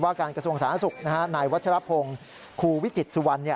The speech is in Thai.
การกระทรวงสาธารณสุขนายวัชรพงศ์ครูวิจิตสุวรรณ